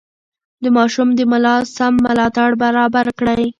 د ماشوم د ملا سم ملاتړ برابر کړئ.